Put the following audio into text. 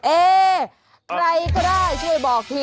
เอ๊ใครก็ได้ช่วยบอกที